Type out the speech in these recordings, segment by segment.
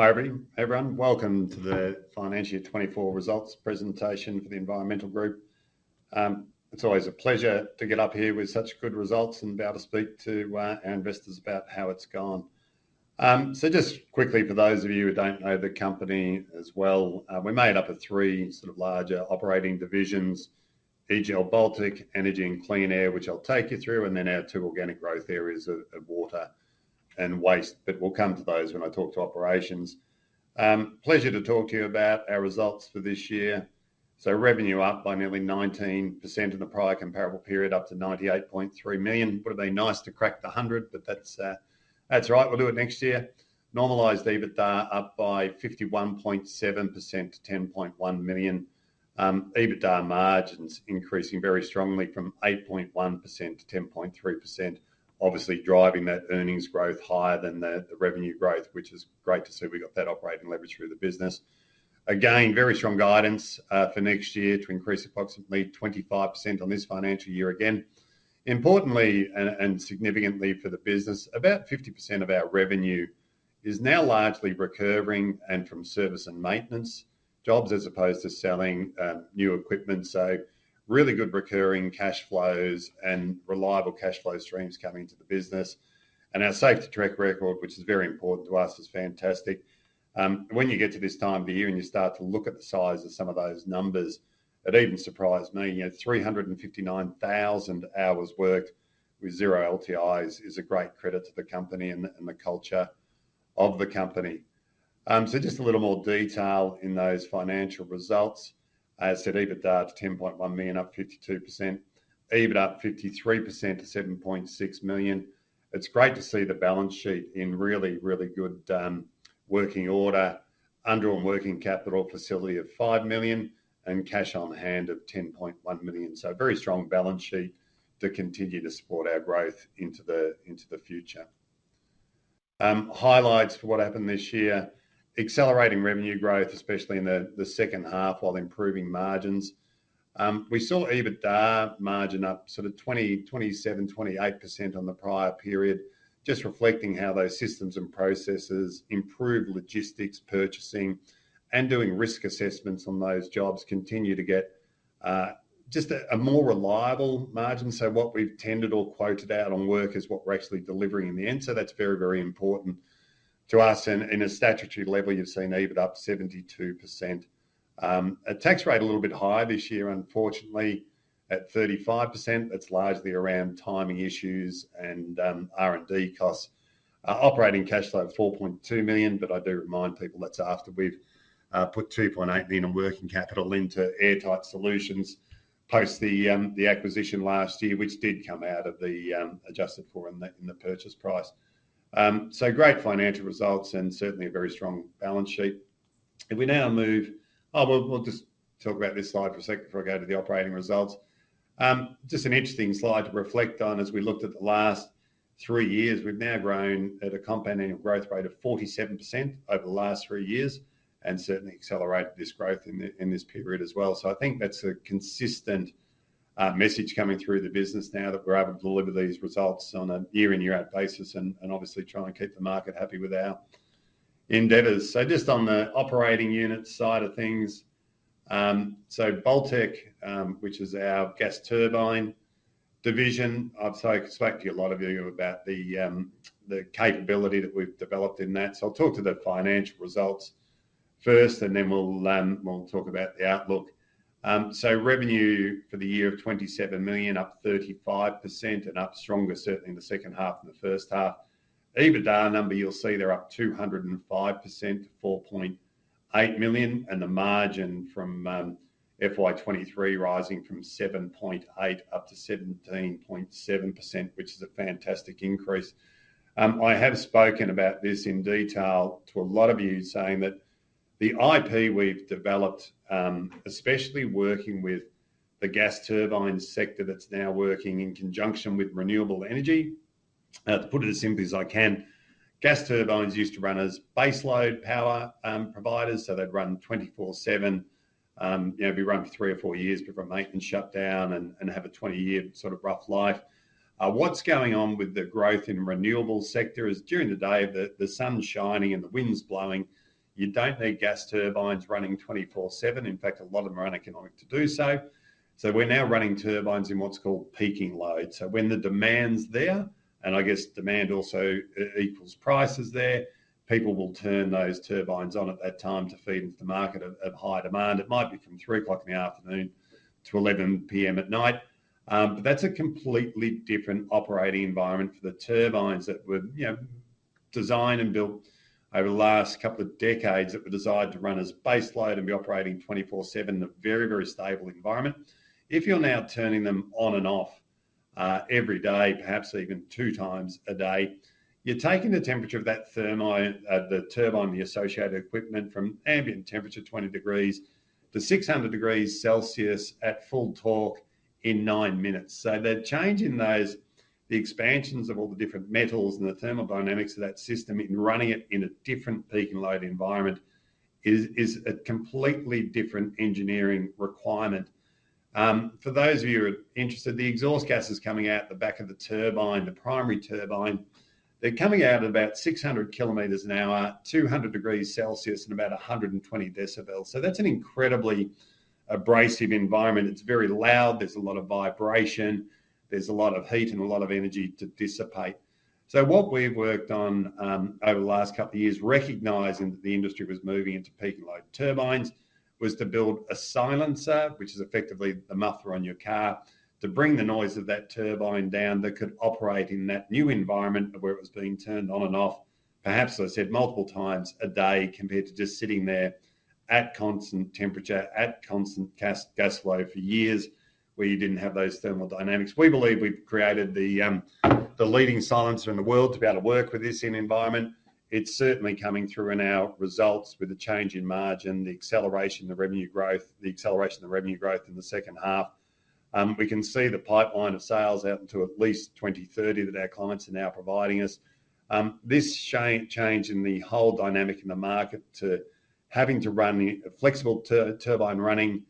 Hi, everyone, welcome to the Financial Year 2024 results presentation for The Environmental Group. It's always a pleasure to get up here with such good results and be able to speak to our investors about how it's gone. So just quickly, for those of you who don't know the company as well, we're made up of three sort of larger operating divisions: EGL, Balltek, Energy and Clean Air, which I'll take you through, and then our two organic growth areas of water and waste, but we'll come to those when I talk to operations. Pleasure to talk to you about our results for this year. So revenue up by nearly 19% in the prior comparable period, up to 98.3 million. Would've been nice to crack the hundred, but that's all right. We'll do it next year. Normalized EBITDA up by 51.7% to 10.1 million. EBITDA margins increasing very strongly from 8.1%-10.3%, obviously driving that earnings growth higher than the revenue growth, which is great to see, we got that operating leverage through the business. Again, very strong guidance for next year to increase approximately 25% on this financial year again. Importantly, and significantly for the business, about 50% of our revenue is now largely recurring and from service and maintenance jobs, as opposed to selling new equipment. So really good recurring cash flows and reliable cash flow streams coming to the business, and our safety track record, which is very important to us, is fantastic. When you get to this time of the year and you start to look at the size of some of those numbers, it even surprised me. You know, 359,000 hours worked with zero LTIs is a great credit to the company and the culture of the company. So just a little more detail in those financial results. As I said, EBITDA to 10.1 million, up 52%. EBIT up 53% to 7.6 million. It's great to see the balance sheet in really, really good working order, under a working capital facility of 5 million and cash on hand of 10.1 million. A very strong balance sheet to continue to support our growth into the future. Highlights for what happened this year, accelerating revenue growth, especially in the second half, while improving margins. We saw EBITDA margin up sort of 20%, 27%, 28% on the prior period, just reflecting how those systems and processes improve logistics, purchasing, and doing risk assessments on those jobs continue to get just a more reliable margin. So what we've tendered or quoted out on work is what we're actually delivering in the end. So that's very, very important to us and in a statutory level, you've seen EBIT up 72%. Our tax rate a little bit higher this year, unfortunately, at 35%. That's largely around timing issues and R&D costs. Operating cash flow of 4.2 million, but I do remind people that's after we've put 2.8 million in working capital into Airtight Solutions, post the acquisition last year, which did come out of the adjusted for in the purchase price. So great financial results and certainly a very strong balance sheet. If we now move. Oh, we'll just talk about this slide for a second before I go to the operating results. Just an interesting slide to reflect on as we looked at the last three years. We've now grown at a compounding growth rate of 47% over the last three years and certainly accelerated this growth in this period as well. I think that's a consistent message coming through the business now that we're able to deliver these results on a year-in-year-out basis, and obviously trying to keep the market happy with our endeavors. Just on the operating unit side of things, so Baltec, which is our gas turbine division, I've spoken to a lot of you about the capability that we've developed in that. I'll talk to the financial results first, and then we'll talk about the outlook. Revenue for the year of 27 million, up 35% and up stronger, certainly in the second half than the first half. EBITDA number, you'll see they're up 205% to 4.8 million, and the margin from FY 2023 rising from 7.8%-17.7%, which is a fantastic increase. I have spoken about this in detail to a lot of you, saying that the IP we've developed, especially working with the gas turbine sector, that's now working in conjunction with renewable energy. To put it as simply as I can, gas turbines used to run as baseload power providers, so they'd run 24/7. You know, be run for three or four years before a maintenance shutdown and have a 20-year sort of rough life. What's going on with the growth in the renewables sector is during the day, the sun's shining and the wind's blowing, you don't need gas turbines running 24/7. In fact, a lot of them are uneconomic to do so. So we're now running turbines in what's called peaking load. So when the demand's there, and I guess demand also equals prices there, people will turn those turbines on at that time to feed into the market at high demand. It might be from 3:00 P.M.-11:00 P.M. at night. But that's a completely different operating environment for the turbines that were, you know, designed and built over the last couple of decades, that were designed to run as baseload and be operating 24/7 in a very, very stable environment. If you're now turning them on and off every day, perhaps even two times a day, you're taking the temperature of that the turbine, the associated equipment, from ambient temperature, 20 degrees-600 degrees Celsius at full torque in nine minutes. So the change in those, the expansions of all the different metals and the thermodynamics of that system in running it in a different peaking load environment is a completely different engineering requirement. For those of you who are interested, the exhaust gases coming out the back of the turbine, the primary turbine, they're coming out at about 600 kilometers an hour, 200 degrees Celsius, and about 120 decibels. So that's an incredibly abrasive environment. It's very loud, there's a lot of vibration, there's a lot of heat, and a lot of energy to dissipate. So what we've worked on over the last couple of years, recognizing that the industry was moving into peak-load turbines, was to build a silencer, which is effectively the muffler on your car, to bring the noise of that turbine down, that could operate in that new environment of where it was being turned on and off, perhaps, as I said, multiple times a day, compared to just sitting there at constant temperature, at constant gas flow for years, where you didn't have those thermodynamics. We believe we've created the leading silencer in the world to be able to work with this environment. It's certainly coming through in our results with the change in margin, the acceleration, the revenue growth, the acceleration of the revenue growth in the second half. We can see the pipeline of sales out into at least 2030 that our clients are now providing us. This change in the whole dynamic in the market to having to run a flexible turbine running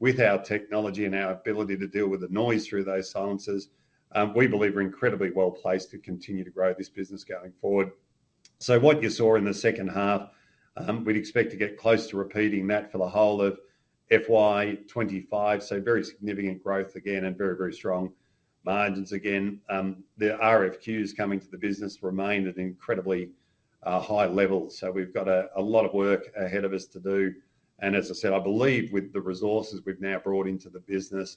with our technology and our ability to deal with the noise through those silencers, we believe we're incredibly well-placed to continue to grow this business going forward. So what you saw in the second half, we'd expect to get close to repeating that for the whole of FY 2025. So very significant growth again and very, very strong margins again. The RFQs coming to the business remain at an incredibly high level, so we've got a lot of work ahead of us to do, and as I said, I believe with the resources we've now brought into the business,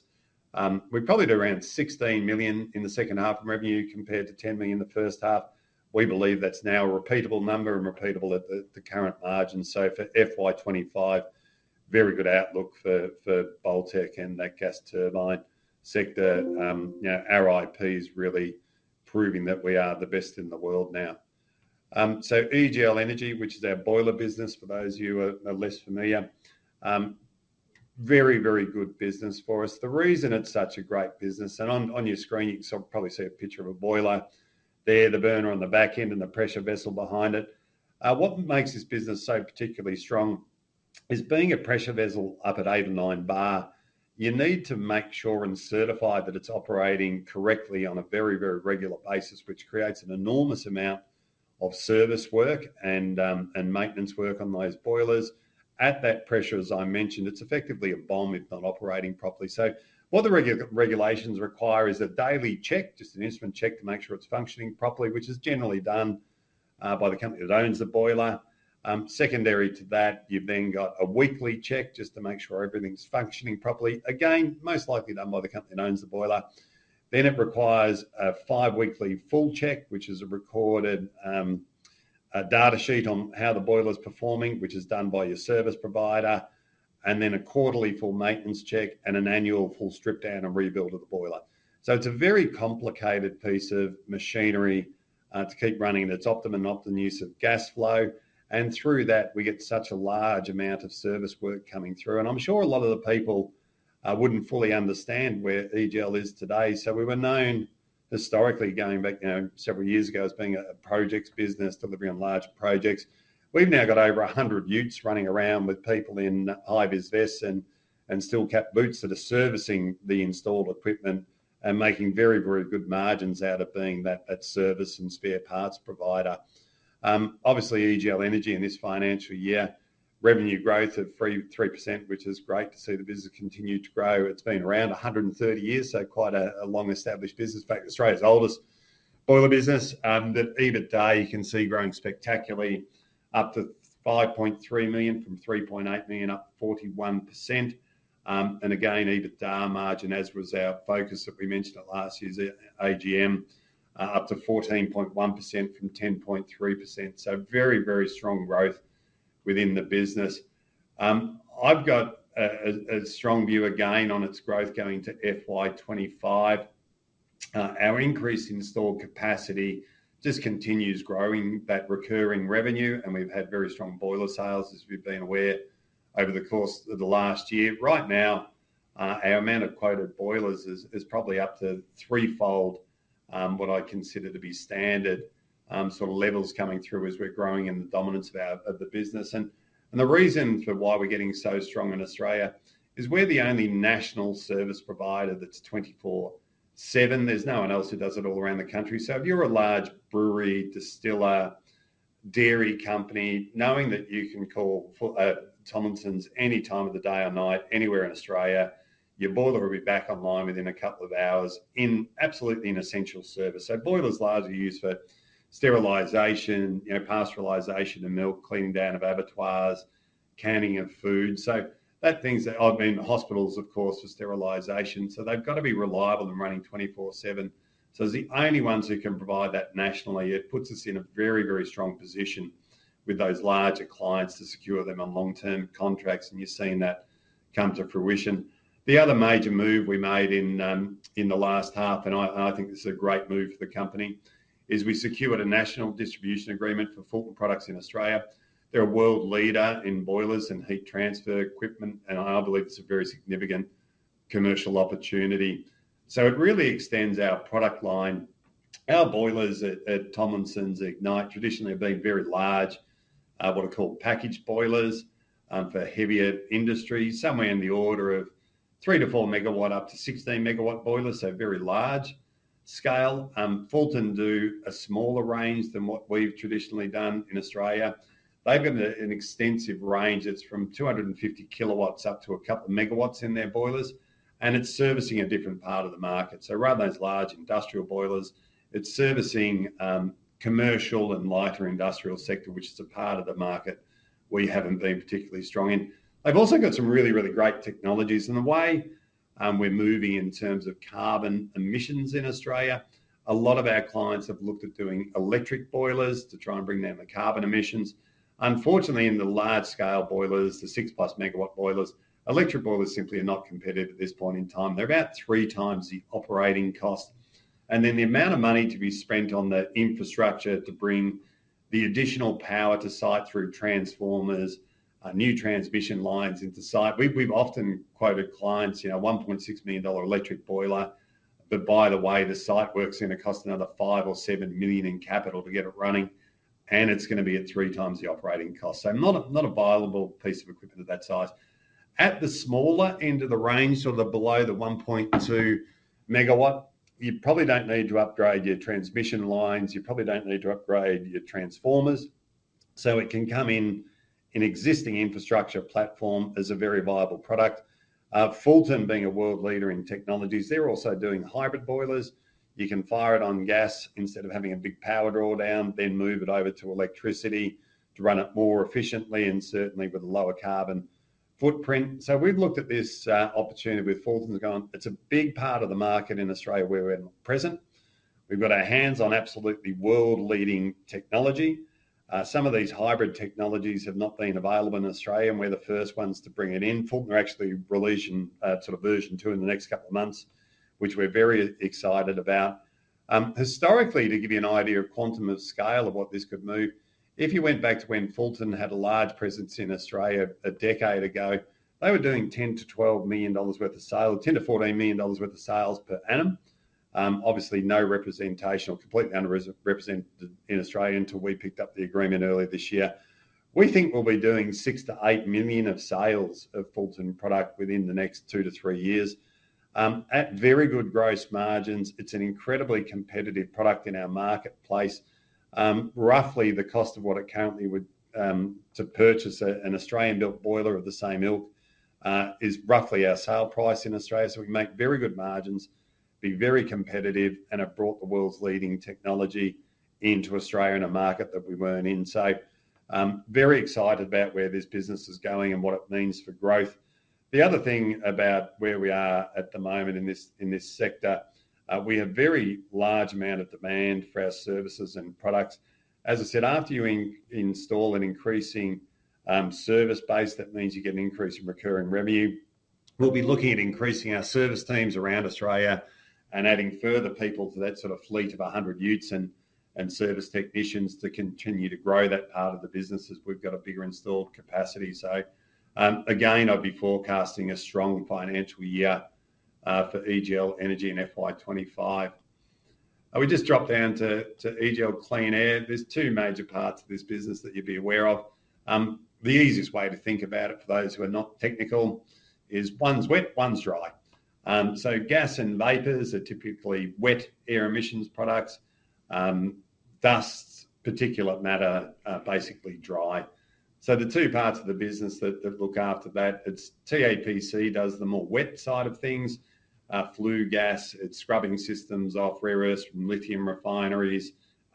we're probably at around 16 million in the second half in revenue, compared to 10 million in the first half. We believe that's now a repeatable number and repeatable at the current margins. So for FY 2025, very good outlook for Baltec and that gas turbine sector. You know, our IP is really proving that we are the best in the world now. So EGL Energy, which is our boiler business, for those of you who are less familiar, very, very good business for us. The reason it's such a great business, and on your screen, you can sort of probably see a picture of a boiler. There, the burner on the back end and the pressure vessel behind it. What makes this business so particularly strong is being a pressure vessel up at eight or nine bar, you need to make sure and certify that it's operating correctly on a very, very regular basis, which creates an enormous amount of service work and maintenance work on those boilers. At that pressure, as I mentioned, it's effectively a bomb if not operating properly. So what the regulations require is a daily check, just an instrument check to make sure it's functioning properly, which is generally done by the company that owns the boiler. Secondary to that, you've then got a weekly check, just to make sure everything's functioning properly. Again, most likely done by the company that owns the boiler. Then, it requires a five-weekly full check, which is a recorded, a data sheet on how the boiler is performing, which is done by your service provider, and then a quarterly full maintenance check, and an annual full strip-down and rebuild of the boiler. So it's a very complicated piece of machinery, to keep running, and it's optimum use of gas flow, and through that, we get such a large amount of service work coming through. I'm sure a lot of the people wouldn't fully understand where EGL is today. So we were known historically, going back, you know, several years ago, as being a projects business, delivering on large projects. We've now got over 100 utes running around with people in hi-vis vests and steel cap boots that are servicing the installed equipment and making very, very good margins out of being that service and spare parts provider. Obviously, EGL Energy in this financial year, revenue growth of 3%, which is great to see the business continue to grow. It's been around 130 years, so quite a long-established business. In fact, Australia's oldest boiler business. That EBITDA, you can see, growing spectacularly up to 5.3 million from 3.8 million, up 41%. Again, EBITDA margin, as was our focus that we mentioned at last year's AGM, up to 14.1% from 10.3%. So very, very strong growth within the business. I've got a strong view again on its growth going to FY 2025. Our increase in stored capacity just continues growing that recurring revenue, and we've had very strong boiler sales, as we've been aware, over the course of the last year. Right now, our amount of quoted boilers is probably up to threefold what I consider to be standard sort of levels coming through as we're growing in the dominance of our business. The reason for why we're getting so strong in Australia is we're the only national service provider that's 24/7. There's no one else who does it all around the country. So if you're a large brewery, distiller, dairy company, knowing that you can call for Tomlinson's any time of the day or night, anywhere in Australia, your boiler will be back online within a couple of hours. It's absolutely an essential service. So boilers largely used for sterilization, you know, pasteurization of milk, cleaning down of abattoirs, canning of food. So that things that I mean, hospitals, of course, for sterilization, so they've got to be reliable and running 24/7. So as the only ones who can provide that nationally, it puts us in a very, very strong position with those larger clients to secure them on long-term contracts, and you're seeing that come to fruition. The other major move we made in the last half, and I think this is a great move for the company, is we secured a national distribution agreement for Fulton products in Australia. They're a world leader in boilers and heat transfer equipment, and I believe this is a very significant commercial opportunity. So it really extends our product line. Our boilers at Tomlinson's Ignite traditionally have been very large, what are called package boilers, for heavier industry, somewhere in the order of 3-4 MWh, up to 16-MWh boilers, so very large scale. Fulton do a smaller range than what we've traditionally done in Australia. They've got an extensive range that's from 250 kW up to a couple of megawatts in their boilers, and it's servicing a different part of the market. So rather than those large industrial boilers, it's servicing commercial and lighter industrial sector, which is a part of the market we haven't been particularly strong in. They've also got some really, really great technologies, and the way we're moving in terms of carbon emissions in Australia, a lot of our clients have looked at doing electric boilers to try and bring down the carbon emissions. Unfortunately, in the large-scale boilers, the 6+ megawatt boilers, electric boilers simply are not competitive at this point in time. They're about 3× the operating cost, and then the amount of money to be spent on the infrastructure to bring the additional power to site through transformers, new transmission lines into site. We've often quoted clients, you know, 1.6 million dollar electric boiler, but by the way, the site work's gonna cost another 5-7 million in capital to get it running, and it's gonna be at three times the operating cost. So not a viable piece of equipment at that size. At the smaller end of the range, sort of below the 1.2 MWh, you probably don't need to upgrade your transmission lines, you probably don't need to upgrade your transformers. So it can come in an existing infrastructure platform as a very viable product. Fulton, being a world leader in technologies, they're also doing hybrid boilers. You can fire it on gas instead of having a big power draw down, then move it over to electricity to run it more efficiently and certainly with a lower carbon footprint. We've looked at this opportunity with Fulton and gone, "It's a big part of the market in Australia, where we're present. We've got our hands on absolutely world-leading technology." Some of these hybrid technologies have not been available in Australia, and we're the first ones to bring it in. Fulton are actually releasing sort of version two in the next couple of months, which we're very excited about. Historically, to give you an idea of quantum of scale of what this could move, if you went back to when Fulton had a large presence in Australia a decade ago, they were doing 10- 14 million dollars worth of sales per annum. Obviously, no representation or completely underrepresented in Australia until we picked up the agreement earlier this year. We think we'll be doing 6- 8 million of sales of Fulton product within the next 2-3 years, at very good gross margins. It's an incredibly competitive product in our marketplace. Roughly the cost of what it currently would to purchase an Australian-built boiler of the same ilk is roughly our sale price in Australia. So we make very good margins, be very competitive, and have brought the world's leading technology into Australia in a market that we weren't in, so very excited about where this business is going and what it means for growth. The other thing about where we are at the moment in this sector, we have very large amount of demand for our services and products. As I said, after you install an increasing service base, that means you get an increase in recurring revenue. We'll be looking at increasing our service teams around Australia and adding further people to that sort of fleet of 100 utes and service technicians to continue to grow that part of the business as we've got a bigger installed capacity. Again, I'd be forecasting a strong financial year for EGL Energy in FY 2025. We just drop down to EGL Clean Air. There's two major parts of this business that you'd be aware of. The easiest way to think about it, for those who are not technical, is one's wet, one's dry. So gas and vapors are typically wet air emissions products. Dust, particulate matter, are basically dry. So the two parts of the business that look after that, it's TAPC does the more wet side of things. Flue gas scrubbing systems for rare earths from lithium refineries,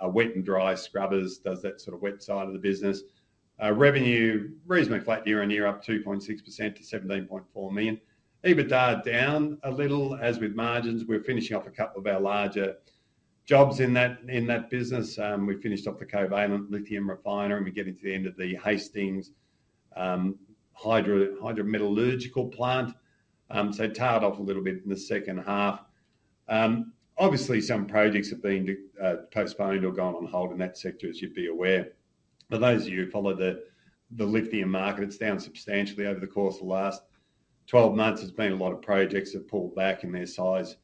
wet and dry scrubbers does that sort of wet side of the business. Revenue, reasonably flat year-on-year, up 2.6% to 17.4 million. EBITDA down a little, as with margins. We're finishing off a couple of our larger jobs in that business. We finished off the Covalent Lithium refinery, and we're getting to the end of the Hastings hydrometallurgical plant. So tailed off a little bit in the second half. Obviously, some projects have been postponed or gone on hold in that sector, as you'd be aware. For those of you who follow the lithium market, it's down substantially over the course of the last 12 months. There's been a lot of projects that pulled back in their size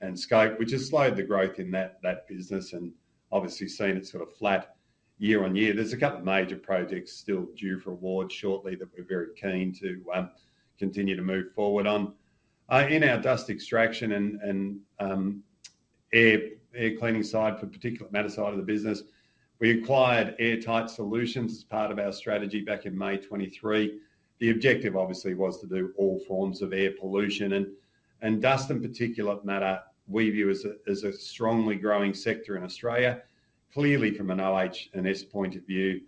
and scope, which has slowed the growth in that business and obviously seen it sort of flat year-on-year. There's a couple of major projects still due for award shortly that we're very keen to continue to move forward on. In our dust extraction and air cleaning side for particulate matter side of the business, we acquired Airtight Solutions as part of our strategy back in May 2023. The objective, obviously, was to do all forms of air pollution and dust and particulate matter we view as a strongly growing sector in Australia. Clearly, from an OH&S point of view,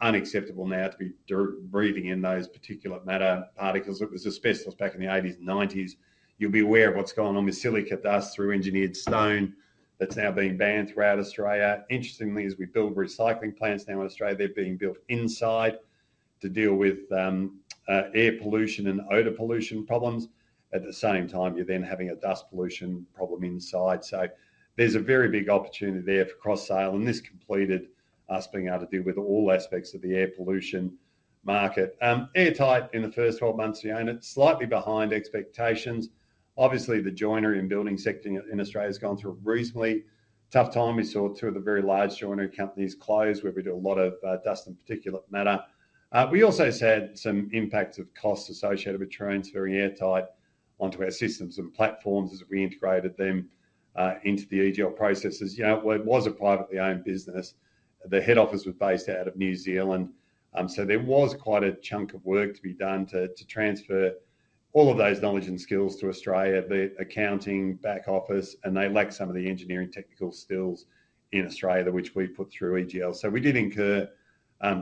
unacceptable now to be directly breathing in those particulate matter particles. It was asbestos back in the 1980s and 1990s. You'll be aware of what's gone on with silica dust through engineered stone that's now being banned throughout Australia. Interestingly, as we build recycling plants now in Australia, they're being built inside to deal with air pollution and odor pollution problems. At the same time, you're then having a dust pollution problem inside. So there's a very big opportunity there for cross-sale, and this completed us being able to deal with all aspects of the air pollution market. Airtight, in the first 12 months we own it, slightly behind expectations. Obviously, the joinery and building sector in Australia has gone through a reasonably tough time. We saw two of the very large joinery companies close, where we do a lot of dust and particulate matter. We also had some impacts of costs associated with transferring Airtight onto our systems and platforms as we integrated them into the EGL processes. You know, it was a privately owned business. The head office was based out of New Zealand, so there was quite a chunk of work to be done to transfer all of those knowledge and skills to Australia, the accounting, back office, and they lacked some of the engineering technical skills in Australia, which we put through EGL. So we did incur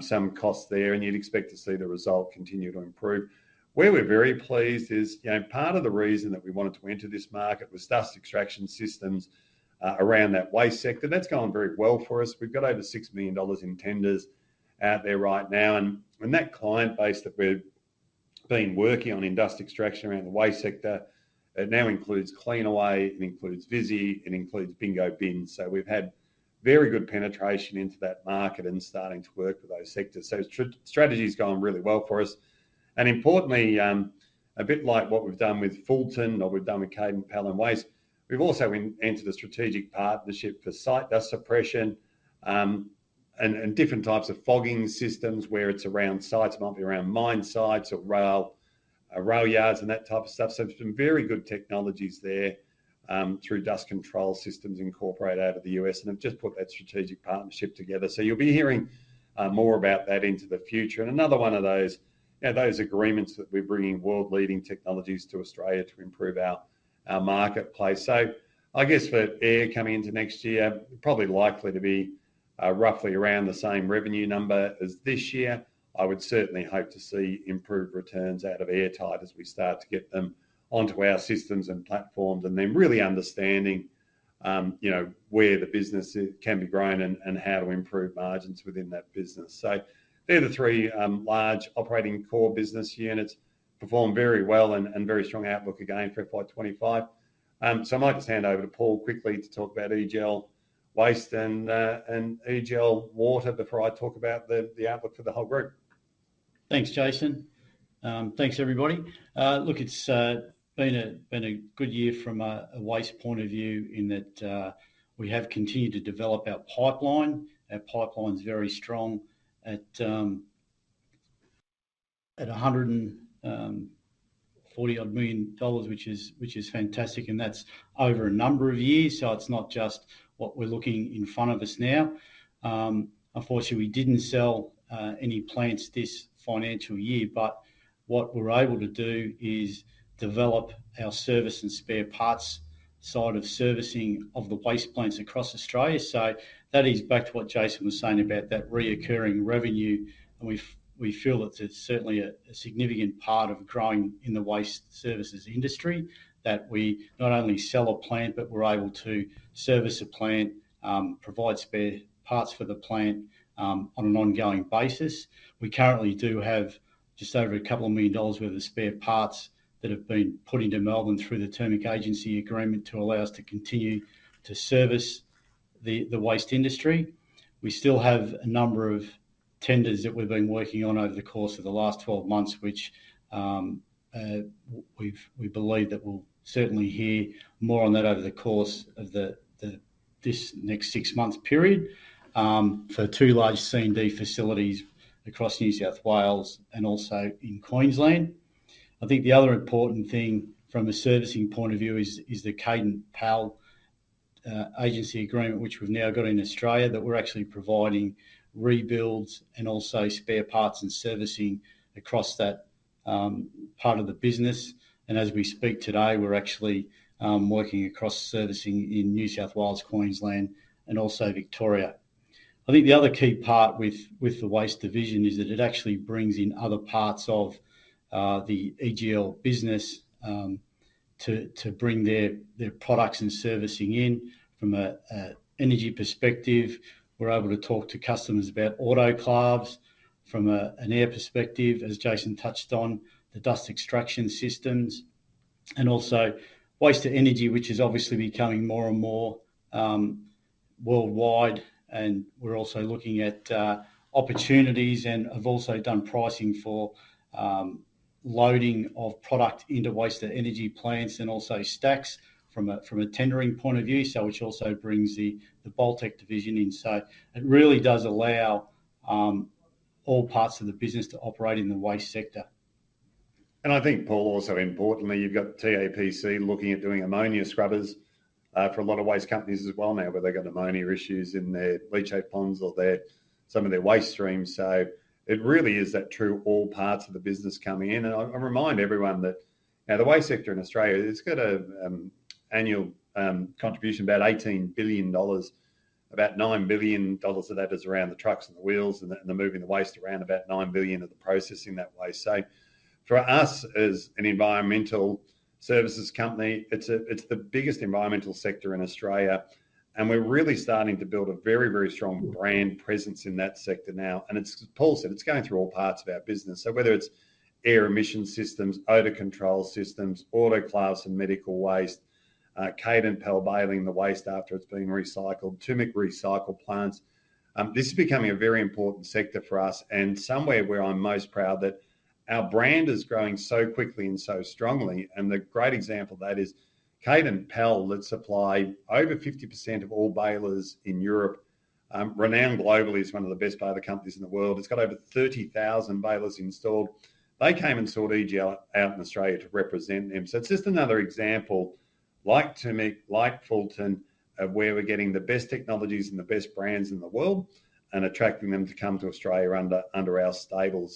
some costs there, and you'd expect to see the result continue to improve. Where we're very pleased is, you know, part of the reason that we wanted to enter this market was dust extraction systems around that waste sector. That's gone very well for us. We've got over 6 million dollars in tenders out there right now, and that client base that we've been working on in dust extraction around the waste sector, it now includes Cleanaway, it includes Visy, it includes Bingo Bin. So we've had very good penetration into that market and starting to work with those sectors. So strategy's gone really well for us. Importantly, a bit like what we've done with Fulton, or we've done with Kadant PAAL and Waste, we've also entered a strategic partnership for site dust suppression, and different types of fogging systems where it's around sites, might be around mine sites or rail yards, and that type of stuff. So some very good technologies there, through Dust Control Systems Incorporated out of the U.S., and they've just put that strategic partnership together. So you'll be hearing more about that into the future. Another one of those, you know, those agreements that we're bringing world-leading technologies to Australia to improve our marketplace. So I guess for air coming into next year, probably likely to be roughly around the same revenue number as this year. I would certainly hope to see improved returns out of Airtight as we start to get them onto our systems and platforms, and then really understanding, you know, where the business can be grown and how to improve margins within that business. So they're the three large operating core business units. Performed very well and very strong outlook again for FY 2025. So I might just hand over to Paul quickly to talk about EGL Waste and EGL Water before I talk about the outlook for the whole group. Thanks, Jason. Thanks, everybody. Look, it's been a good year from a waste point of view in that we have continued to develop our pipeline. Our pipeline's very strong at 140 million dollars, which is fantastic, and that's over a number of years, so it's not just what we're looking in front of us now. Unfortunately, we didn't sell any plants this financial year, but what we're able to do is develop our service and spare parts side of servicing of the waste plants across Australia, so that is back to what Jason was saying about that recurring revenue, and we feel that it's certainly a significant part of growing in the waste services industry. That we not only sell a plant, but we're able to service a plant, provide spare parts for the plant, on an ongoing basis. We currently do have just over 2 million dollars worth of spare parts that have been put into Melbourne through the Turmec agency agreement to allow us to continue to service the waste industry. We still have a number of tenders that we've been working on over the course of the last twelve months, which, we believe that we'll certainly hear more on that over the course of the this next six-month period, for two large C&D facilities across New South Wales and also in Queensland. I think the other important thing from a servicing point of view is the Kaden Pall agency agreement, which we've now got in Australia, that we're actually providing rebuilds and also spare parts and servicing across that part of the business, and as we speak today, we're actually working across servicing in New South Wales, Queensland, and also Victoria. I think the other key part with the waste division is that it actually brings in other parts of the EGL business to bring their products and servicing in. From an energy perspective, we're able to talk to customers about autoclaves, from an air perspective, as Jason touched on, the dust extraction systems, and also waste to energy, which is obviously becoming more and more worldwide. We're also looking at opportunities and have also done pricing for loading of product into waste-to-energy plants and also stacks from a tendering point of view, which also brings the Baltec division in. It really does allow all parts of the business to operate in the waste sector. I think, Paul, also importantly, you've got TAPC looking at doing ammonia scrubbers for a lot of waste companies as well now, where they've got ammonia issues in their leachate ponds or their, some of their waste streams. So it really is that true all parts of the business coming in. I remind everyone that, you know, the waste sector in Australia, it's got an annual contribution of about 18 billion dollars. About 9 billion dollars of that is around the trucks and the wheels and the moving the waste around, about 9 billion of the processing that waste. So for us, as an environmental services company, it's the biggest environmental sector in Australia, and we're really starting to build a very, very strong brand presence in that sector now and Paul said, it's going through all parts of our business. So whether it's air emission systems, odor control systems, autoclaves, and medical waste, Kadant PAAL baling the waste after it's been recycled, Turmec recycle plants. This is becoming a very important sector for us and somewhere where I'm most proud that our brand is growing so quickly and so strongly, and a great example of that is Kadant PAAL that supply over 50% of all balers in Europe. Renowned globally as one of the best baler companies in the world. It's got over 30,000 balers installed. They came and sought EGL out in Australia to represent them. So it's just another example, like Turmec, like Fulton, of where we're getting the best technologies and the best brands in the world, and attracting them to come to Australia under our stable.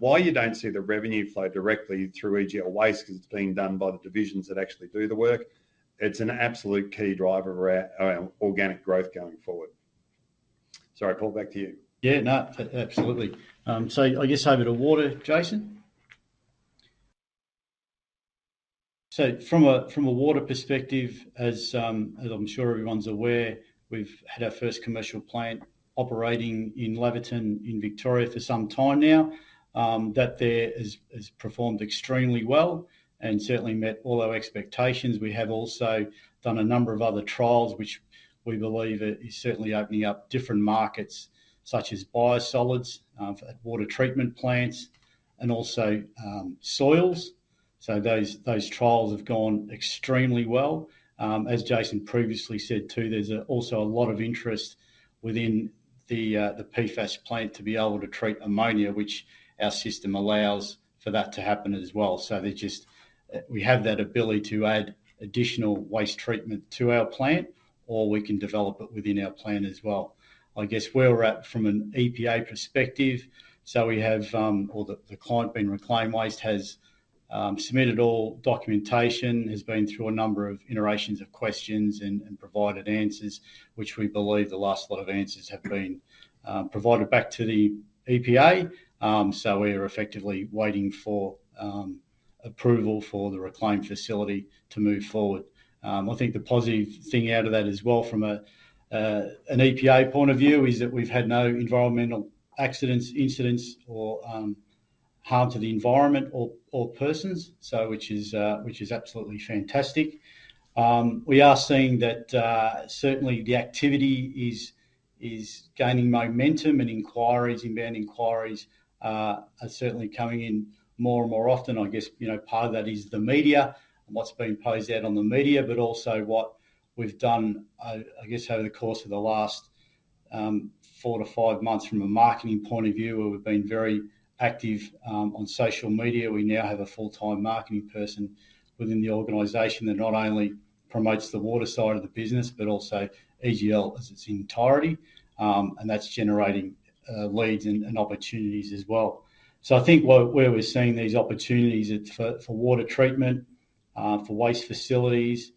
While you don't see the revenue flow directly through EGL Waste because it's being done by the divisions that actually do the work, it's an absolute key driver of our organic growth going forward. Sorry, Paul, back to you. Yeah, no, absolutely. So I was just having water, Jason. So from a water perspective, as I'm sure everyone's aware, we've had our first commercial plant operating in Laverton, in Victoria for some time now. That there has performed extremely well and certainly met all our expectations. We have also done a number of other trials, which we believe is certainly opening up different markets, such as biosolids, for water treatment plants and also, soils. So those trials have gone extremely well. As Jason previously said too, there's also a lot of interest within the PFAS plant to be able to treat ammonia, which our system allows for that to happen as well. So there's just, we have that ability to add additional waste treatment to our plant, or we can develop it within our plant as well. I guess where we're at from an EPA perspective, so we have, or the client, being Reclaim Waste, has submitted all documentation, has been through a number of iterations of questions and provided answers, which we believe the last lot of answers have been provided back to the EPA. So we're effectively waiting for approval for the Reclaim facility to move forward. I think the positive thing out of that as well, from an EPA point of view, is that we've had no environmental accidents, incidents, or harm to the environment or persons, which is absolutely fantastic. We are seeing that certainly the activity is gaining momentum, and inquiries, inbound inquiries, are certainly coming in more and more often. I guess, you know, part of that is the media and what's been put out on the media, but also what we've done, I guess, over the course of the last four to five months from a marketing point of view, where we've been very active on social media. We now have a full-time marketing person within the organization that not only promotes the water side of the business, but also EGL in its entirety, and that's generating leads and opportunities as well. I think where we're seeing these opportunities it's for water treatment for waste facilities,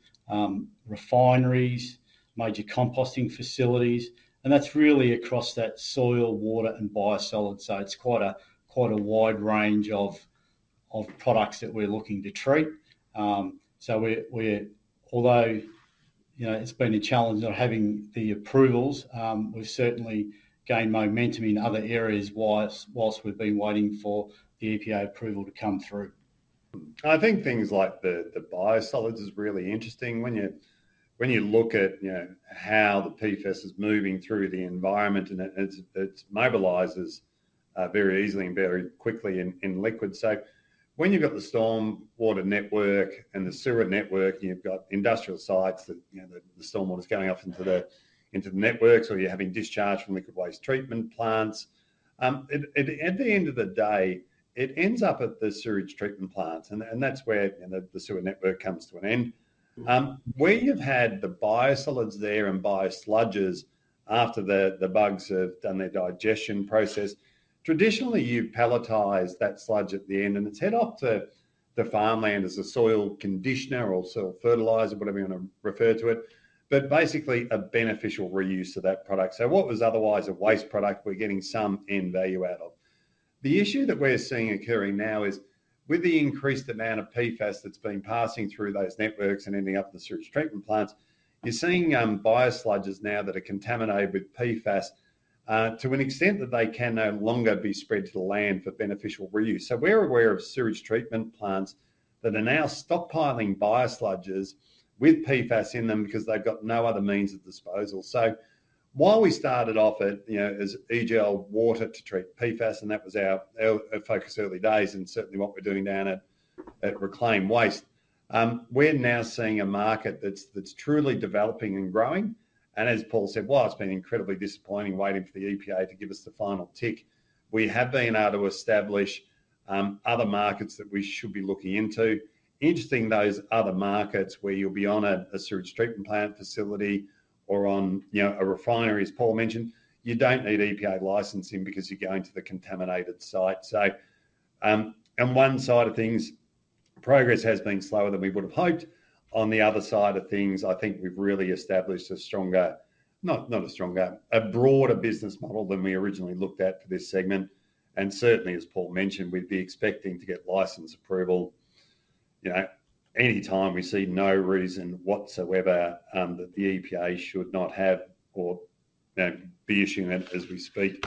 refineries, major composting facilities, and that's really across that soil, water, and biosolids. So it's quite a wide range of products that we're looking to treat. Although, you know, it's been a challenge of having the approvals, we've certainly gained momentum in other areas while we've been waiting for the EPA approval to come through. I think things like the biosolids is really interesting. When you look at, you know, how the PFAS is moving through the environment, and it mobilizes very easily and very quickly in liquid. So when you've got the stormwater network and the sewer network, and you've got industrial sites that, you know, the stormwater is going off into the networks, or you're having discharge from liquid waste treatment plants, at the end of the day, it ends up at the sewage treatment plants, and that's where, you know, the sewer network comes to an end. Where you've had the biosolids there and biosludges after the bugs have done their digestion process, traditionally, you pelletize that sludge at the end, and it's hauled off to the farmland as a soil conditioner or soil fertilizer, whatever you wanna refer to it, but basically a beneficial reuse of that product. So what was otherwise a waste product, we're getting some end value out of. The issue that we're seeing occurring now is with the increased amount of PFAS that's been passing through those networks and ending up in the sewage treatment plants. You're seeing biosludges now that are contaminated with PFAS to an extent that they can no longer be spread to the land for beneficial reuse. So we're aware of sewage treatment plants that are now stockpiling biosludges with PFAS in them because they've got no other means of disposal. So while we started off it, you know, as EGL Water to treat PFAS, and that was our focus early days, and certainly what we're doing down at Reclaim Waste, we're now seeing a market that's truly developing and growing. And as Paul said, while it's been incredibly disappointing waiting for the EPA to give us the final tick, we have been able to establish other markets that we should be looking into. Interesting, those other markets where you'll be on a sewage treatment plant facility or on, you know, a refinery, as Paul mentioned, you don't need EPA licensing because you're going to the contaminated site. So, on one side of things, progress has been slower than we would have hoped. On the other side of things, I think we've really established a stronger, not a stronger, a broader business model than we originally looked at for this segment, and certainly, as Paul mentioned, we'd be expecting to get license approval, you know, any time. We see no reason whatsoever that the EPA should not have or, you know, be issuing that as we speak,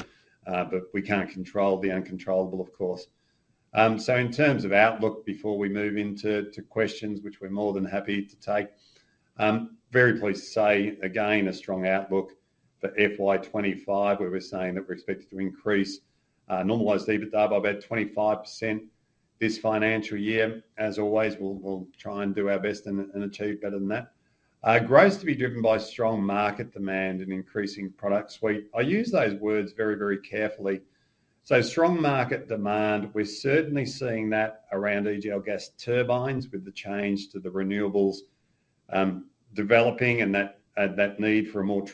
but we can't control the uncontrollable, of course. So in terms of outlook, before we move into questions, which we're more than happy to take, very pleased to say, again, a strong outlook for FY 2025, where we're saying that we're expected to increase normalized EBITDA by about 25% this financial year. As always, we'll try and do our best and achieve better than that. Growth is to be driven by strong market demand and increasing product suite. I use those words very, very carefully. So strong market demand, we're certainly seeing that around EGL gas turbines with the change to the renewables developing and that, and that need for a more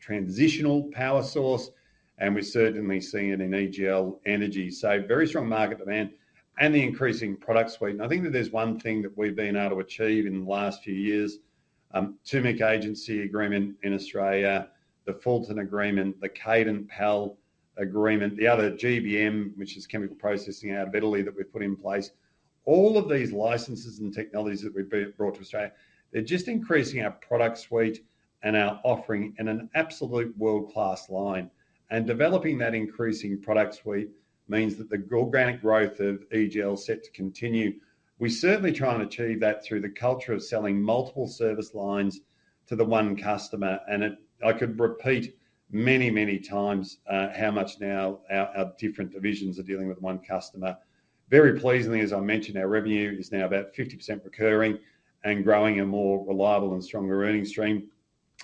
transitional power source, and we're certainly seeing it in EGL Energy. So very strong market demand and the increasing product suite and I think that there's one thing that we've been able to achieve in the last few years, the Turmec agency agreement in Australia, the Fulton agreement, the Kadant PAAL agreement, the other GBM, which is chemical processing out of Italy, that we've put in place. All of these licenses and technologies that we've brought to Australia, they're just increasing our product suite and our offering in an absolute world-class line and developing that increasing product suite means that the organic growth of EGL is set to continue. We're certainly trying to achieve that through the culture of selling multiple service lines to the one customer, and I could repeat many, many times how much now our different divisions are dealing with one customer. Very pleasingly, as I mentioned, our revenue is now about 50% recurring and growing a more reliable and stronger earning stream.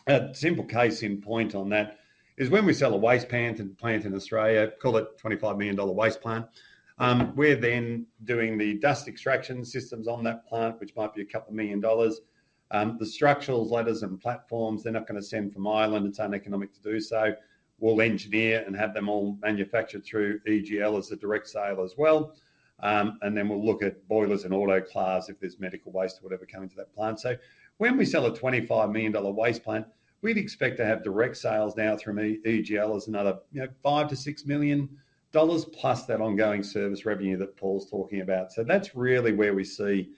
A simple case in point on that is when we sell a waste plant in Australia, call it 25 million dollar waste plant, we're then doing the dust extraction systems on that plant, which might be a couple million dollars. The structural ladders and platforms, they're not gonna send from Ireland, it's uneconomic to do so. We'll engineer and have them all manufactured through EGL as a direct sale as well. Then we'll look at boilers and autoclaves if there's medical waste or whatever coming to that plant. So when we sell a 25 million dollar waste plant, we'd expect to have direct sales now from EGL as another, you know, 5-6 million dollars+ that ongoing service revenue that Paul's talking about. So that's really where we see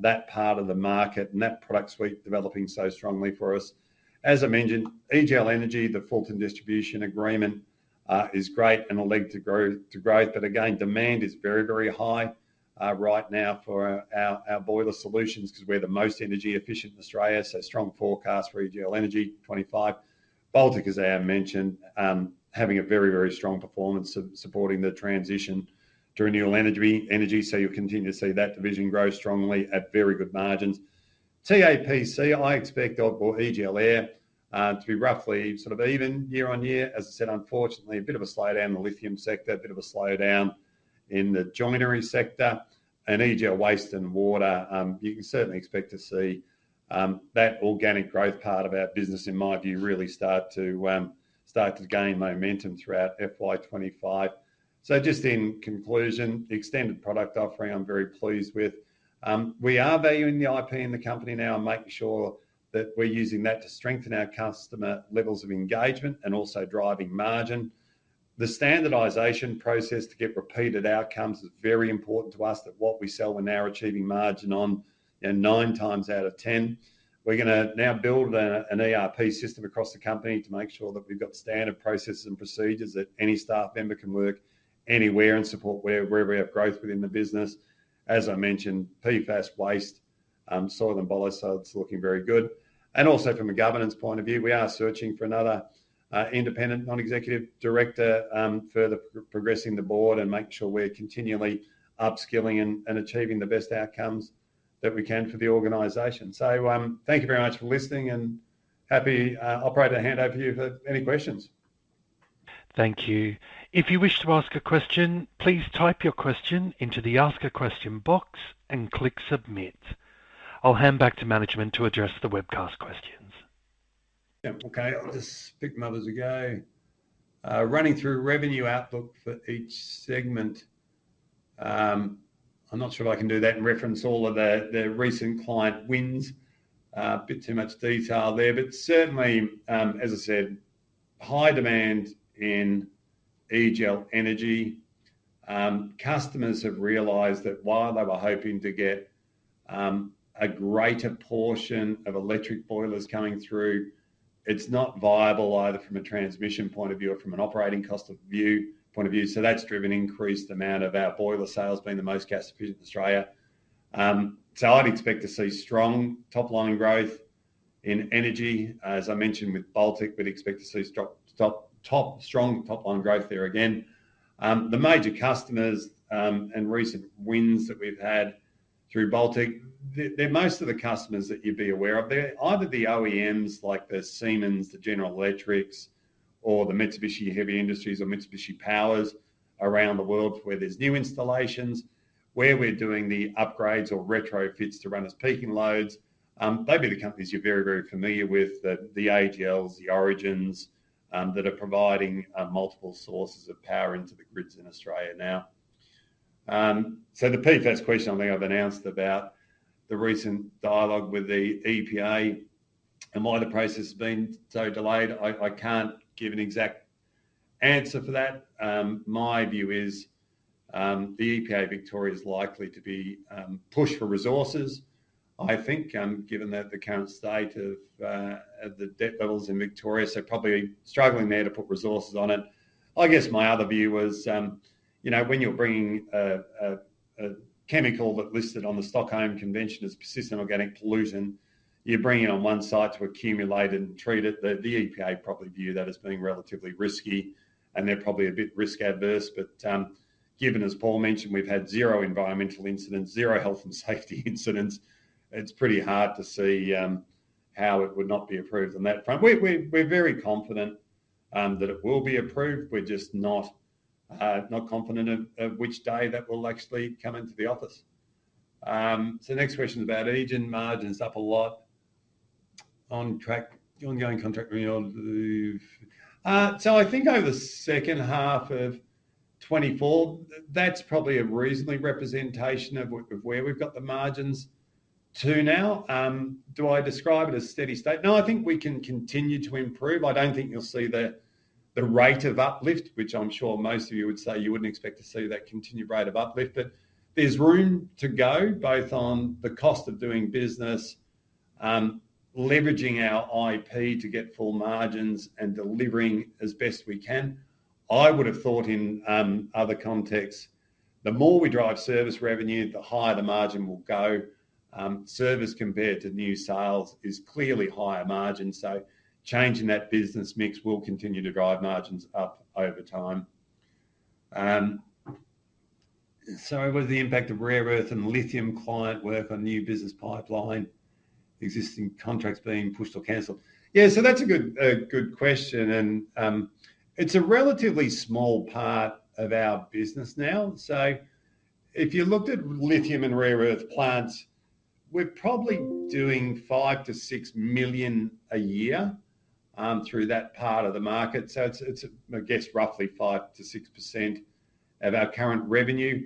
that part of the market and that product suite developing so strongly for us. As I mentioned, EGL Energy, the Fulton Distribution Agreement, is great and a lead to growth. But again, demand is very, very high right now for our boiler solutions because we're the most energy efficient in Australia, so strong forecast for EGL Energy 2025. Baltec, as I have mentioned, having a very, very strong performance supporting the transition to renewable energy, so you'll continue to see that division grow strongly at very good margins. TAPC, I expect, or EGL Air, to be roughly sort of even year on year. As I said, unfortunately, a bit of a slowdown in the lithium sector, a bit of a slowdown in the battery sector. EGL Waste and Water, you can certainly expect to see that organic growth part of our business, in my view, really start to gain momentum throughout FY 2025. Just in conclusion, the extended product offering, I'm very pleased with. We are valuing the IP in the company now and making sure that we're using that to strengthen our customer levels of engagement and also driving margin. The standardization process to get repeated outcomes is very important to us, that what we sell, we're now achieving margin on, you know, 9× out of 10. We're gonna now build an ERP system across the company to make sure that we've got standard processes and procedures that any staff member can work anywhere and support wherever we have growth within the business. As I mentioned, PFAS waste, soil and boiler, so it's looking very good. Also, from a governance point of view, we are searching for another independent non-executive director, further progressing the board and making sure we're continually upskilling and achieving the best outcomes that we can for the organization. So, thank you very much for listening, and happy... Operator, hand over to you for any questions. Thank you. If you wish to ask a question, please type your question into the Ask a Question box and click submit. I'll hand back to management to address the webcast questions. Yeah, okay. I'll just pick them up as we go. Running through revenue outlook for each segment, I'm not sure if I can do that and reference all of the recent client wins. A bit too much detail there, but certainly, as I said, high demand in EGL Energy. Customers have realized that while they were hoping to get a greater portion of electric boilers coming through, it's not viable either from a transmission point of view or from an operating cost point of view. So that's driven increased amount of our boiler sales being the most gas-efficient in Australia. So I'd expect to see strong top-line growth in energy, as I mentioned, with Baltec, we'd expect to see strong top-line growth there again. The major customers, and recent wins that we've had through Baltec, they're most of the customers that you'd be aware of. They're either the OEMs, like the Siemens, the General Electric, or the Mitsubishi Heavy Industries, or Mitsubishi Power around the world, where there's new installations, where we're doing the upgrades or retrofits to run as peaking loads. They'd be the companies you're very, very familiar with, the, the AGLs, the Origins, that are providing, multiple sources of power into the grids in Australia now. So the PFAS question, I think I've announced about the recent dialogue with the EPA and why the process has been so delayed. I can't give an exact answer for that. My view is, the EPA Victoria is likely to be, pushed for resources. I think, given that the current state of the debt levels in Victoria, so probably struggling there to put resources on it. I guess my other view was, you know, when you're bringing a chemical that listed on the Stockholm Convention as persistent organic pollution, you bring it on one site to accumulate it and treat it. The EPA probably view that as being relatively risky, and they're probably a bit risk-averse. But, given, as Paul mentioned, we've had zero environmental incidents, zero health and safety incidents, it's pretty hard to see how it would not be approved on that front. We're very confident that it will be approved. We're just not confident of which day that will actually come into the office. So the next question is about EGL and margins up a lot on track ongoing contract renewal. So I think over the second half of 2024, that's probably a reasonable representation of where we've got the margins to now. Do I describe it as steady state? No, I think we can continue to improve. I don't think you'll see the rate of uplift, which I'm sure most of you would say you wouldn't expect to see that continued rate of uplift, but there's room to go, both on the cost of doing business, leveraging our IP to get full margins, and delivering as best we can. I would have thought in other contexts, the more we drive service revenue, the higher the margin will go. Service compared to new sales is clearly higher margin, so changing that business mix will continue to drive margins up over time. So what is the impact of rare earth and lithium client work on new business pipeline, existing contracts being pushed or canceled? Yeah, that's a good question, and it's a relatively small part of our business now. So if you looked at lithium and rare earth plants, we're probably doing 5- 6 million a year through that part of the market, so it's, I guess, roughly 5%-6% of our current revenue.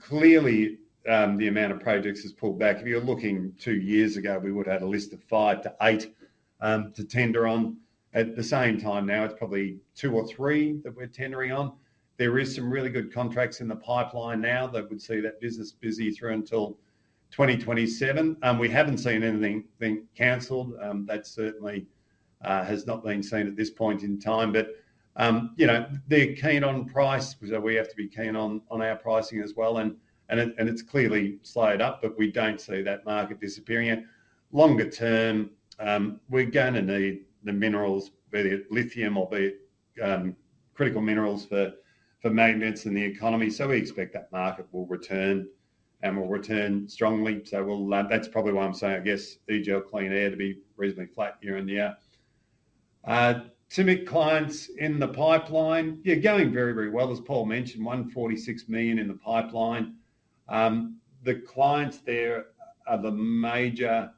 Clearly, the amount of projects has pulled back. If you're looking two years ago, we would have had a list of 5%-8% to tender on. At the same time, now it's probably two or three that we're tendering on. There are some really good contracts in the pipeline now that would see that business busy through until 2027. We have not seen anything being canceled, that certainly has not been seen at this point in time. You know, they're keen on price, so we have to be keen on our pricing as well, and it's clearly slowed up, but we do not see that market disappearing. Longer term, we're going to need the minerals, be it lithium or be it critical minerals for maintenance in the economy, so we expect that market will return and will return strongly. That's probably why I'm saying, I guess, EGL clean air to be reasonably flat year-on-year. Tumik clients in the pipeline, yeah, going very, very well. As Paul mentioned, 146 million in the pipeline. The clients there are the major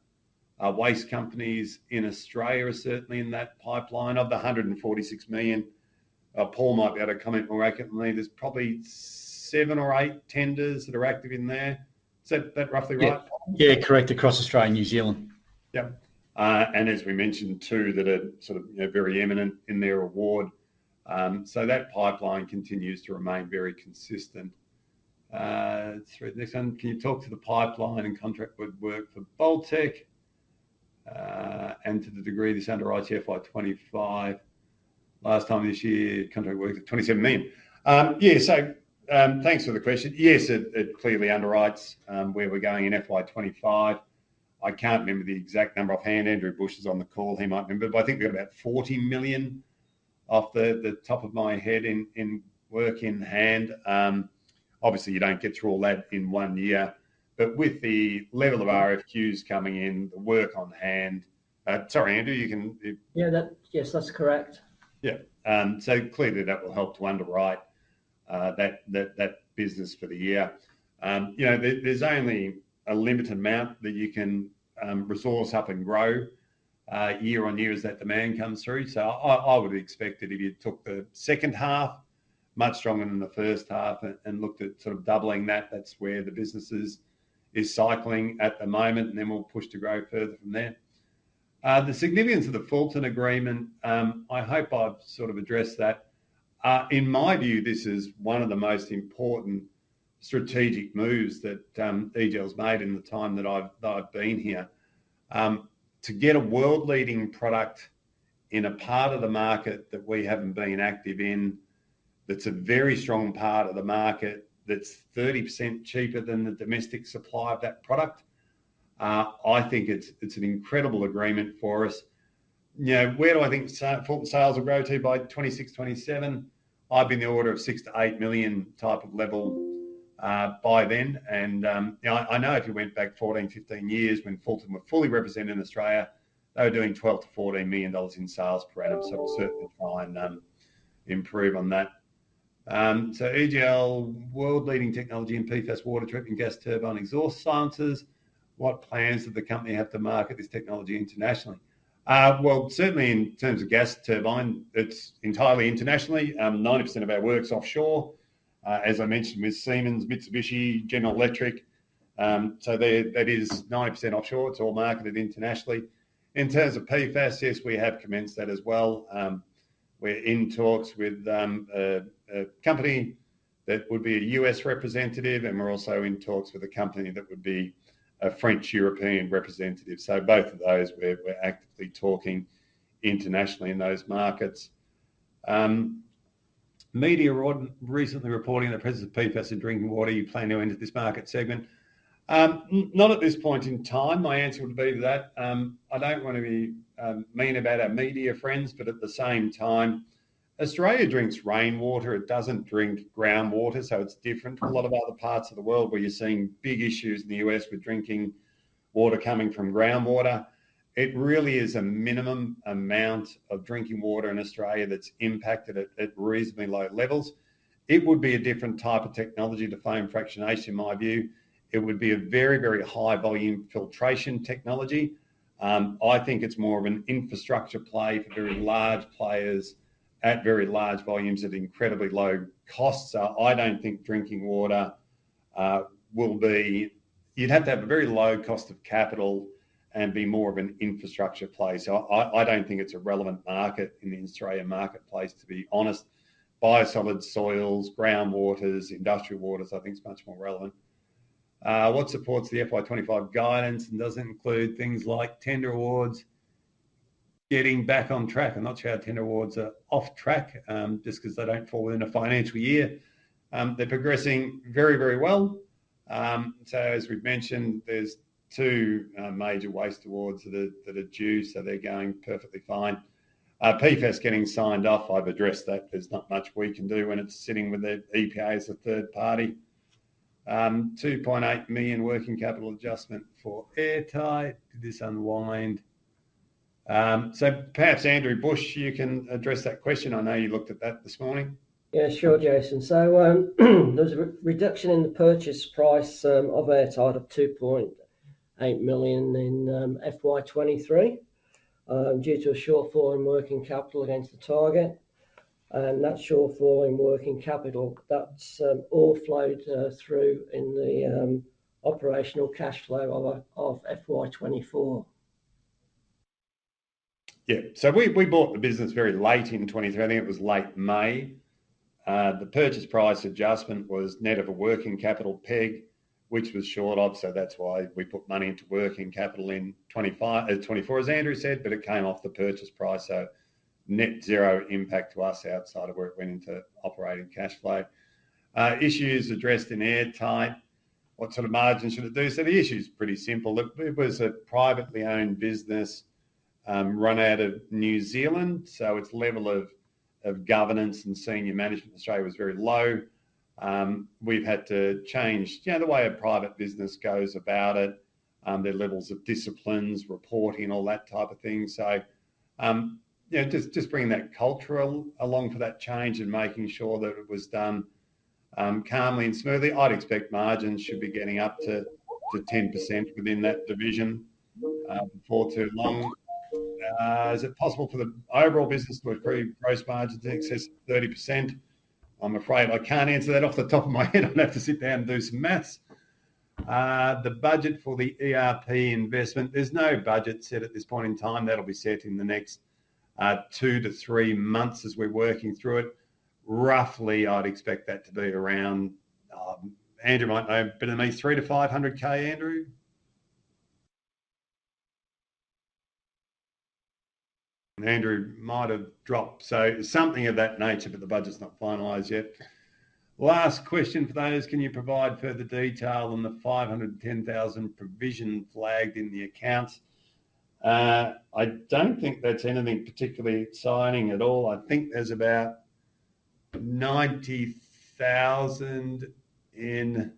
waste companies in Australia, are certainly in that pipeline of the 146 million, Paul might be able to comment more accurately. There's probably seven or eight tenders that are active in there. Is that roughly right? Yeah, correct, across Australia and New Zealand. Yep. As we mentioned, too, that are sort of, you know, very eminent in their award. So that pipeline continues to remain very consistent. The next one, can you talk to the pipeline and contract work for Baltec, and to the degree this underwrites FY 2025? Last time this year, contract work was at 27 million. Yeah, so thanks for the question. Yes, it clearly underwrites where we're going in FY 2025. I can't remember the exact number offhand. Andrew Bush is on the call; he might remember, but I think we have about 40 million off the top of my head in work in hand. Obviously, you don't get through all that in one year, but with the level of RFQs coming in, the work on hand. Sorry, Andrew, you can- Yeah. Yes, that's correct. Yeah. So clearly, that will help to underwrite that business for the year. You know, there's only a limited amount that you can resource up and grow year on year as that demand comes through. I would expect that if you took the second half, much stronger than the first half, and looked at sort of doubling that, that's where the business is cycling at the moment, and then we'll push to grow further from there. The significance of the Fulton agreement, I hope I've sort of addressed that. In my view, this is one of the most important strategic moves that EGL's made in the time that I've been here. To get a world-leading product in a part of the market that we haven't been active in, that's a very strong part of the market, that's 30% cheaper than the domestic supply of that product, I think it's an incredible agreement for us. You know, where do I think Fulton sales will grow to by 2026, 2027? I'd be in the order of 6- 8 million type of level by then. You know, I know if you went back 14-15 years when Fulton were fully represented in Australia, they were doing 12-14 million dollars in sales per annum, so we'll certainly try and improve on that. So EGL world-leading technology in PFAS, water treatment, gas turbine, exhaust silencers, what plans do the company have to market this technology internationally? Well, certainly in terms of gas turbine, it's entirely internationally. 90% of our work's offshore, as I mentioned, with Siemens, Mitsubishi, General Electric, so that is 90% offshore. It's all marketed internationally. In terms of PFAS, yes, we have commenced that as well. We're in talks with a company. That would be a U.S. representative, and we're also in talks with a company that would be a French European representative. So both of those, we're actively talking internationally in those markets. Media recently reporting the presence of PFAS in drinking water, do you plan to enter this market segment? Not at this point in time. My answer would be that, I don't wanna be mean about our media friends, but at the same time, Australia drinks rainwater, it doesn't drink groundwater. So it's different to a lot of other parts of the world where you're seeing big issues in the U.S. with drinking water coming from groundwater. It really is a minimum amount of drinking water in Australia that's impacted at reasonably low levels. It would be a different type of technology to foam fractionation, in my view. It would be a very, very high volume filtration technology. I think it's more of an infrastructure play for very large players at very large volumes at incredibly low costs. So I don't think drinking water will be. You'd have to have a very low cost of capital and be more of an infrastructure play. So I don't think it's a relevant market in the Australian marketplace, to be honest. Biosolids, soils, groundwaters, industrial waters, I think is much more relevant. What supports the FY 2025 guidance, and does it include things like tender awards getting back on track? I'm not sure how tender awards are off track, just 'cause they don't fall within a financial year. They're progressing very, very well. So as we've mentioned, there's two major waste awards that are due, so they're going perfectly fine. PFAS getting signed off, I've addressed that. There's not much we can do when it's sitting with the EPA as a third party. 2.8 million working capital adjustment for Airtight, did this unwind? So perhaps, Andrew Bush, you can address that question. I know you looked at that this morning. Yeah, sure, Jason. So, there's a reduction in the purchase price of Airtight of 2.8 million in FY 2023 due to a shortfall in working capital against the target, and that shortfall in working capital, that's all flowed through in the operational cash flow of FY 2024. Yeah. So we, we bought the business very late in 2023. I think it was late May. The purchase price adjustment was net of a working capital peg, which was short of, so that's why we put money into working capital in 2024, as Andrew said, but it came off the purchase price, so net zero impact to us outside of where it went into operating cash flow. Issues addressed in Airtight. What sort of margins should it do? So the issue's pretty simple. Look, it was a privately owned business, run out of New Zealand, so its level of governance and senior management in Australia was very low. We've had to change, you know, the way a private business goes about it, their levels of disciplines, reporting, all that type of thing. Yeah, just bringing that culture along for that change and making sure that it was done calmly and smoothly. I'd expect margins should be getting up to 10% within that division before too long. Is it possible for the overall business to improve gross margins in excess of 30%? I'm afraid I can't answer that off the top of my head. I'd have to sit down and do some math. The budget for the ERP investment, there's no budget set at this point in time. That'll be set in the next two to three months as we're working through it. Roughly, I'd expect that to be around AUD 300,000-AUD 500,000 Andrew? Andrew might have dropped. Something of that nature, but the budget's not finalized yet. Last question for those: Can you provide further detail on the 510,000 provision flagged in the accounts? I don't think that's anything particularly exciting at all. I think there's about 90,000 in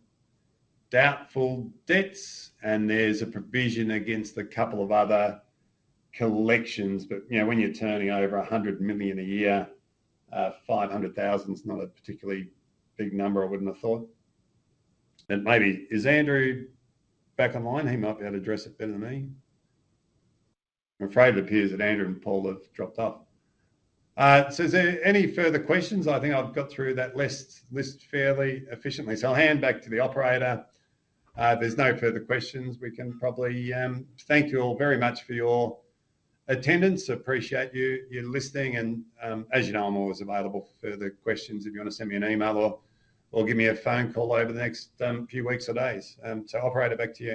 doubtful debts, and there's a provision against a couple of other collections. But, you know, when you're turning over 100 million a year, 500,000 is not a particularly big number, I wouldn't have thought. Maybe, is Andrew back online? He might be able to address it better than me. I'm afraid it appears that Andrew and Paul have dropped off. So is there any further questions? I think I've got through that list fairly efficiently. So I'll hand back to the operator. If there's no further questions, we can probably... Thank you all very much for your attendance. I appreciate you listening, and, as you know, I'm always available for further questions if you wanna send me an email or give me a phone call over the next few weeks or days. So operator, back to you.